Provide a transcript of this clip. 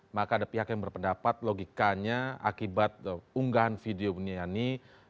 maka ada pihak yang berpendapat logikanya akibat unggahan video buniani